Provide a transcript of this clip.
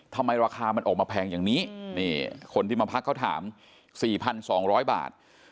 ราคามันออกมาแพงอย่างนี้นี่คนที่มาพักเขาถาม๔๒๐๐บาท